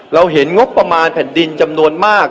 เราเห็นงบประมาณแผ่นดินจำนวนมาก